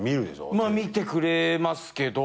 見てくれますけど。